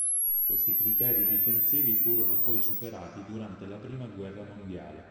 Questi criteri difensivi furono poi superati durante la Prima guerra mondiale.